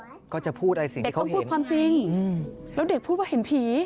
เด็กต้องพูดความจริงแล้วเด็กพูดว่าเห็นผี